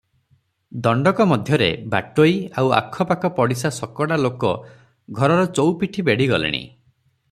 ଦଣ୍ଡକ ମଧ୍ୟରେ ବାଟୋଇ, ଆଉ ଆଖ ପାଖ ପଡ଼ିଶା ଶକଡ଼ା ଲୋକ ଘରର ଚଉପିଠି ବେଢ଼ି ଗଲେଣି ।